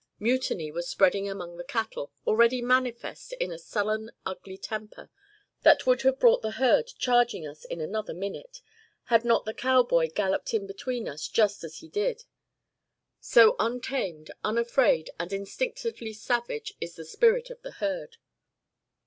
Mutiny was spreading among the cattle, already manifest in a sullen ugly temper that would have brought the herd charging us in another minute, had not the cowboy galloped in between us just as he did so untamed, unafraid, and instinctively savage is the spirit of the herd.